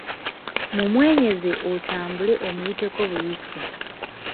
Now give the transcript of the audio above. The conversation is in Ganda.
Mumwenyeze otambule omuyiteko buyisi.